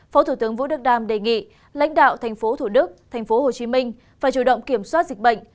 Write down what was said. phó thủ tướng vũ đức đam đề nghị lãnh đạo tp thủ đức tp hcm phải chủ động kiểm soát dịch bệnh